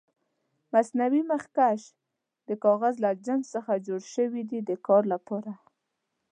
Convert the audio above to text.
مصنوعي مخکش د کاغذ له جنس څخه جوړ شوي دي د کار لپاره.